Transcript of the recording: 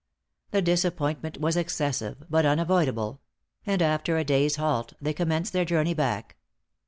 The disappointment was excessive, but unavoidable; and after a day's halt, they commenced their journey back.